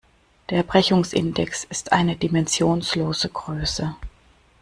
Der Brechungsindex ist eine dimensionslose Größe.